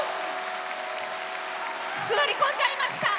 座り込んじゃいました。